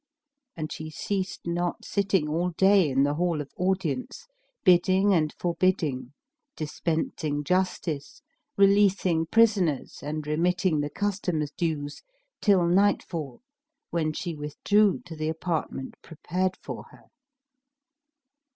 And she ceased not sitting all day in the hall of audience, bidding and forbidding; dispensing justice, releasing prisoners and remitting the customs dues, till nightfall, when she withdrew to the apartment prepared for her.